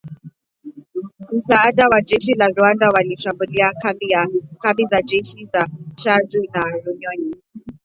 msaada wa jeshi la Rwanda, walishambulia kambi za jeshi za Tchanzu na Runyonyi